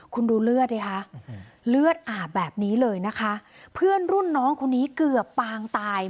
คุณดูเลือดดิคะเลือดอาบแบบนี้เลยนะคะเพื่อนรุ่นน้องคนนี้เกือบปางตาย